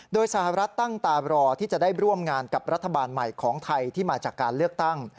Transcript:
โดยสหรัฐตั้งตารอที่จะได้ร่วมงานกับรัฐบาลใหม่ของไทยที่มาจากการเลือกตั้ง